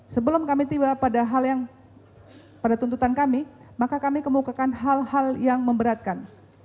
sebelum kami tiba pada hal yang pada tuntutan kami maka kami kemukakan hal hal yang memberatkan